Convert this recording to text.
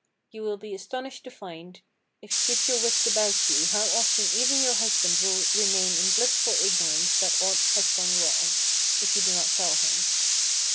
You will be astonished to find, if you keep your wits about you how often even your husband will remain in blissful ignorance that aught has gone wrong, if you do not tell him.